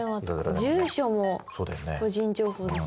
住所も個人情報です。